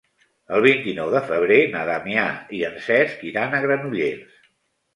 El vint-i-nou de febrer na Damià i en Cesc iran a Granollers.